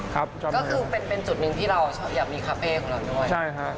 ก็คือเป็นจุดหนึ่งที่เราอยากมีคาเฟ่ของเราด้วยใช่ฮะ